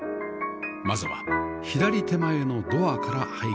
まずは左手前のドアから拝見します